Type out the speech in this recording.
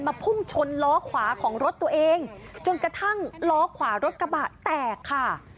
พุ่งชนล้อขวาของรถตัวเองจนกระทั่งล้อขวารถกระบะแตกค่ะ